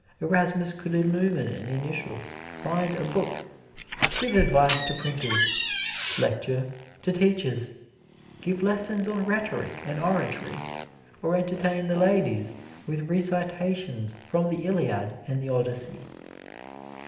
Erasmus could illumine an initial, bind a book, give advice to printers, lecture to teachers, give lessons on rhetoric and oratory, or entertain the ladies with recitations from the Iliad and the Odyssey.